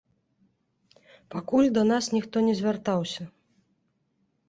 Пакуль да нас ніхто не звяртаўся.